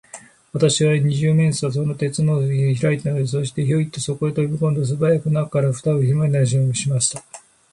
今、二十面相は、その鉄のふたをひらいたのです。そして、ヒョイとそこへとびこむと、すばやく中から、ふたをもとのとおりにしめてしまいました。